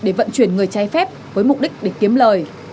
để vận chuyển người trái phép với mục đích để kiếm lời